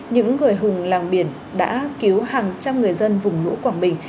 những người hùng làng biển đã cứu hàng trăm người dân vùng lũ quảng bình